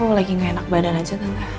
ah aku lagi gak enak badan aja tanda